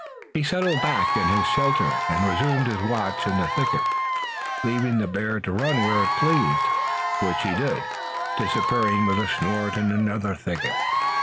He settled back in his shelter and resumed his watch in the thicket, leaving the bear to run where he pleased, which he did, disappearing with a snort in another thicket.